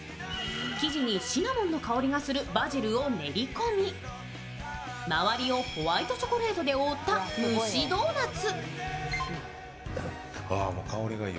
生地にシナモンの香りのするバジルを練り込み、周りをホワイトチョコレートで覆った蒸しドーナツ。